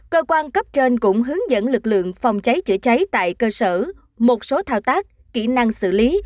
cơ quan cấp trên cũng hướng dẫn lực lượng phòng cháy chữa cháy tại cơ sở một số thao tác kỹ năng xử lý